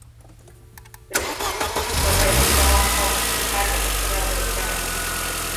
此时期可谓包浩斯发展重要的转捩点。